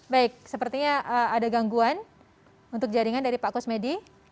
baik sepertinya ada gangguan untuk jaringan dari pak kusmedi